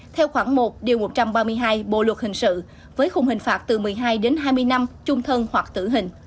theo khoảng một một trăm ba mươi hai bộ luật hình sự với khung hình phạt từ một mươi hai đến hai mươi năm trung thân hoặc tử hình